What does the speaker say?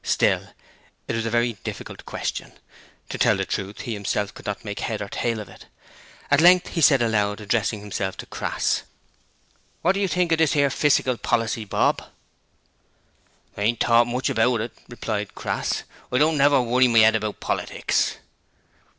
Still, it was a very difficult question: to tell the truth, he himself could not make head or tail of it. At length he said aloud, addressing himself to Crass: 'Wot do you think of this 'ere fissical policy, Bob?' 'Ain't thought much about it,' replied Crass. 'I don't never worry my 'ed about politics.'